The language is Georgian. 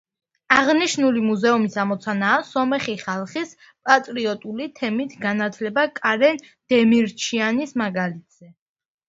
აღნიშნული მუზეუმის ამოცანაა სომეხი ხალხის პატრიოტული თემით განათლება კარენ დემირჩიანის მაგალითზე.